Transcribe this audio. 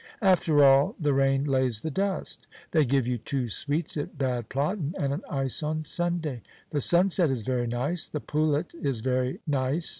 "After all, the rain lays the dust." "They give you two sweets at Bad Platten and an ice on Sunday." "The sunset is very nice." "The poulet is very nice."